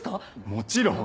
もちろん。